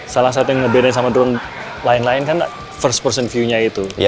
salah satu yang ngebene sama drone lain lain kan first person view nya itu